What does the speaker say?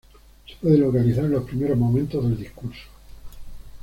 Se puede localizar en los primeros momentos del discurso.